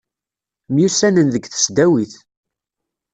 Myussanen deg tesdawit.